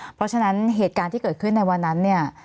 เพราะฉะนั้นเหตุการณ์ที่เกิดขึ้นในวันนั้นเนี่ย